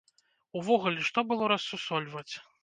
Увогуле, што было рассусольваць?